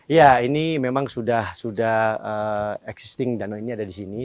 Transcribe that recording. ya ini memang sudah existing danau ini ada di sini